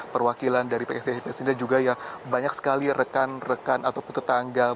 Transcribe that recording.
perwakilan dari pssi dan juga ya banyak sekali rekan rekan ataupun tetangga